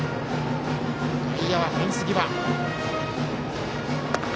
外野はフェンス際。